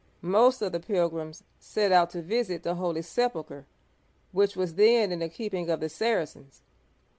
Most of the pilgrims set out to visit the Holy Sepulcher, which was then in the keeping of the Saracens.